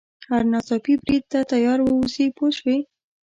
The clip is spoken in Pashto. هر ناڅاپي برید ته تیار واوسي پوه شوې!.